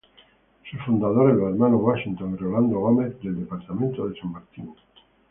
Sus fundadores los hermanos Washington y Rolando Gómez del Departamento de San Martín.